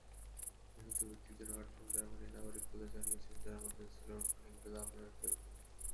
নিহত ব্যক্তিদের আটজন জার্মানির নাগরিক বলে জানিয়েছেন জার্মান চ্যান্সেলর অ্যাঙ্গেলা মেরকেল।